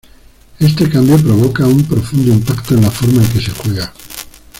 Este cambio provoca un profundo impacto en la forma en que se juega.